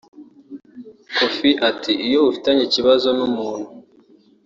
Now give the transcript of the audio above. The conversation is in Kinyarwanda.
Koffi ati “Iyo ufitanye ikibazo n’umuntu